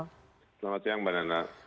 selamat siang bapak ibu